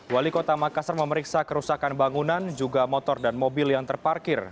wali kota makassar memeriksa kerusakan bangunan juga motor dan mobil yang terparkir